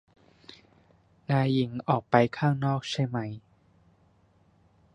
นายหญิงออกไปข้างนอกใช่ไหม